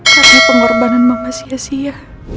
karena pengorbanan mama sia sia